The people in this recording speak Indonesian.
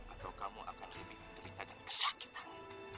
atau kamu akan lebih mengerikan dan kesakitan